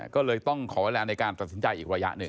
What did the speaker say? ก็เลยต้องขอเวลาในการตัดสินใจอีกระยะหนึ่ง